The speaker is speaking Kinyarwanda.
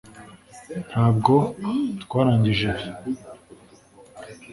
Ntabwo twarangije ibi